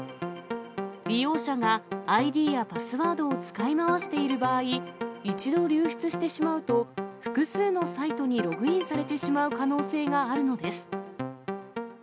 利用者がＩＤやパスワードを使い回している場合、一度流出してしまうと、複数のサイトにログインされてしまう可能性があるのです。